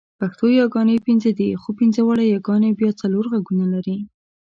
پښتو یاګانې پنځه دي، خو پنځه واړه یاګانې بیا څلور غږونه لري.